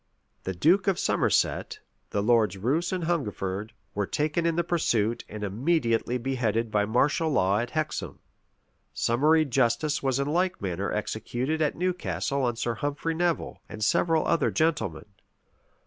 The duke of Somerset, the Lords Roos and Hungerford, were taken in the pursuit, and immediately beheaded by martial law at Hexham. Summary justice was in like manner executed at Newcastle on Sir Humphrey Nevil, and several other gentlemen.